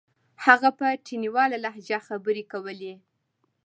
هغه په تڼيواله لهجه خبرې کولې.